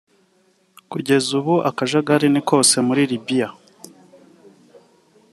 Kugeza ubu akajagari ni kose muri Libye